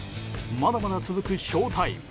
まだまだ続くショウタイム。